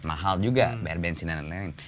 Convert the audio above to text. mahal juga bayar bensin dan lain lain